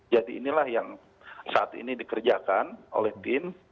jadi inilah yang saat ini dikerjakan oleh tim